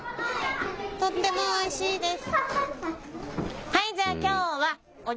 とってもおいしいです。